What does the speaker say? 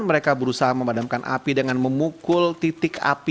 mereka berusaha memadamkan api dengan memukul titik api